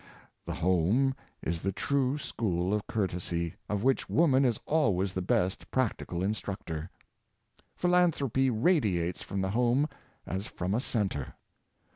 The home is the true school of courtesy, of which woman is always the best practical instructor. Philan thropy radiates from the home as from a centre.